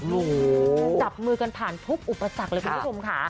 จับมือกันผ่านทุกอุปสรรคเลยคุณผู้ชมค่ะ